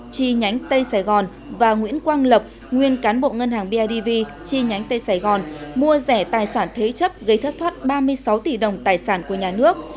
chi nhánh tây sài gòn và nguyễn quang lập nguyên cán bộ ngân hàng bidv chi nhánh tây sài gòn mua rẻ tài sản thế chấp gây thất thoát ba mươi sáu tỷ đồng tài sản của nhà nước